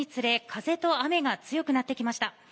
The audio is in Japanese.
風と雨が強くなってきました。